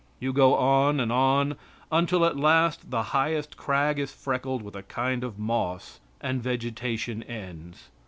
You go on and on, until at last the highest crag is freckled with a kind of moss, and vegetation ends.